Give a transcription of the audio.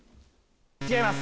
違います。